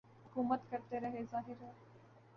حکومت کرتے رہے ظاہر ہے